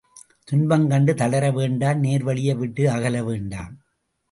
... துன்பம் கண்டு தளர வேண்டாம் நேர் வழியை விட்டு அகல வேண்டாம்.